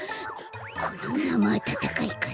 このなまあたたかいかぜ。